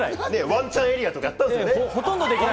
ワンちゃんエリアとかやったんですよね。